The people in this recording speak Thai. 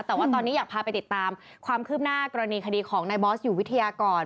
แต่ว่าตอนนี้อยากพาไปติดตามความคืบหน้ากรณีคดีของนายบอสอยู่วิทยาก่อน